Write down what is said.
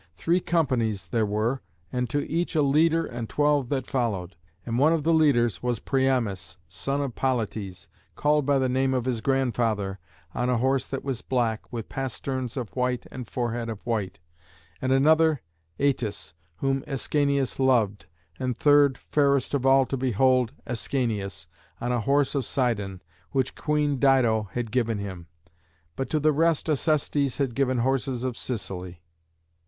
Three companies there were, and to each a leader and twelve that followed. And one of the leaders was Priamus, son of Polites, called by the name of his grandfather, on a horse that was black, with pasterns of white and forehead of white; and another Atys, whom Ascanius loved; and third, fairest of all to behold, Ascanius, on a horse of Sidon, which Queen Dido had given him; but to the rest Acestes had given horses of Sicily.